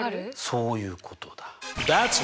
そういうことだ。